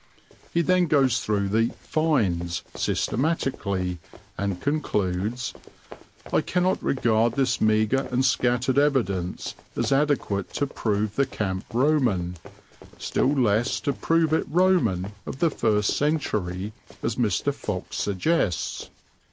He then goes through the "finds" systematically, and concludes: "I cannot regard this meagre and scattered evidence as adequate to prove the camp Roman, still less to prove it Roman of the first century, as Mr. Fox suggests.